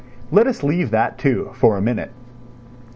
Let us leave that, too, for a minute.